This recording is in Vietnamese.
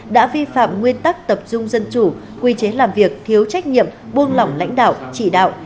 đã vi phạm nguyên tắc tập trung dân chủ quy chế làm việc thiếu trách nhiệm buông lỏng lãnh đạo chỉ đạo